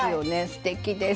すてきです。